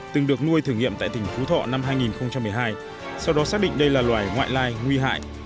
từng được nuôi thử nghiệm tại tỉnh phú thọ năm hai nghìn một mươi hai sau đó xác định đây là loài ngoại lai nguy hại